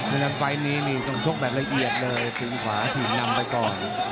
ใอนั้นไฟล์ทนนี่จะเจอกินแบบละเอียดเลยจนกว่าถีบนำไปก่อน